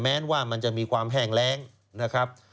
ว่ามันจะมีความแห้งแรงนะครับ